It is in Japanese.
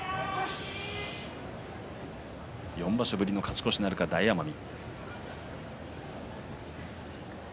４場所ぶりの勝ち越しなるか大奄美。